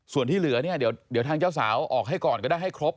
ส่วนที่เหลือเนี่ยเดี๋ยวทางเจ้าสาวออกให้ก่อนก็ได้ให้ครบ